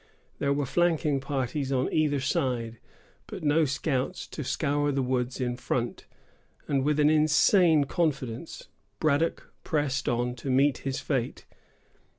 There were flanking parties on either side, but no scouts to scour the woods in front, and with an insane confidence Braddock pressed on to meet his fate.